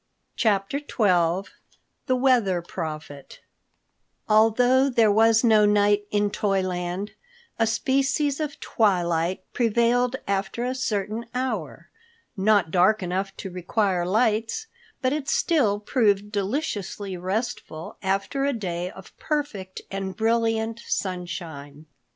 CHAPTER XII THE WEATHER PROPHET ALTHOUGH there was no night in Toyland, a species of twilight prevailed after a certain hour, not dark enough to require lights, but it still proved deliciously restful after a day of perfect and brilliant sunshine.